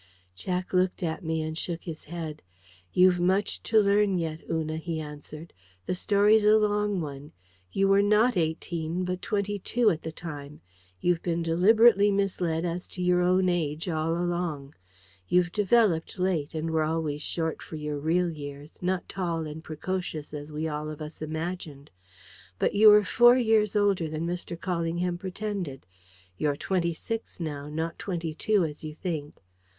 Jack looked at me and shook his head. "You've much to learn yet, Una," he answered. "The story's a long one. You were NOT eighteen but twenty two at the time. You've been deliberately misled as to your own age all along. You developed late, and were always short for your real years, not tall and precocious as we all of us imagined. But you were four years older than Mr. Callingham pretended. You're twenty six now, not twenty two as you think.